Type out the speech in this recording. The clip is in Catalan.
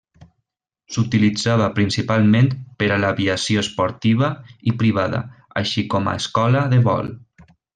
S'utilitzava principalment per a l'aviació esportiva i privada; així com a escola de vol.